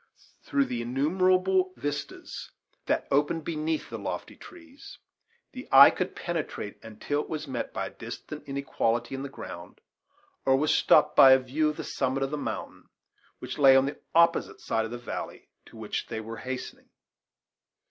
Through the innumerable vistas that opened beneath the lofty trees, the eye could penetrate until it was met by a distant inequality in the ground, or was stopped by a view of the summit of the mountain which lay on the opposite side of the valley to which they were hastening.